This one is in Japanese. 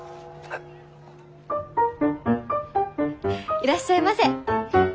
いらっしゃいませ。